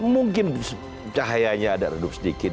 mungkin cahayanya ada redup sedikit